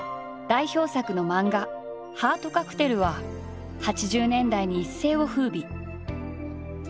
代表作の漫画「ハートカクテル」は８０年代に一世を風靡。